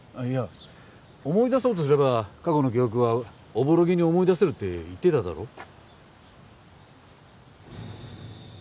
いや思い出そうとすれば過去の記憶はおぼろげに思い出せるって言ってただろ？